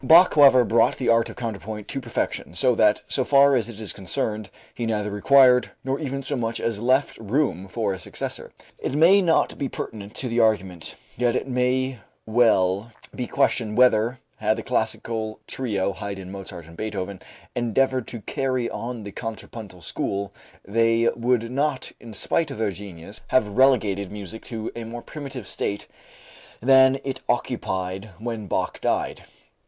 Bach, however, brought the art of counterpoint to perfection, so that, so far as it is concerned, he neither required nor even so much as left room for a successor. It may not be pertinent to the argument, yet it may well be questioned whether, had the classical trio, Haydn, Mozart, and Beethoven, endeavored to carry on the contrapuntal school, they would not, in spite of their genius, have relegated music to a more primitive state than it occupied when Bach died.